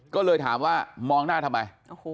ก็เลยถามว่ามองหน้าทำไม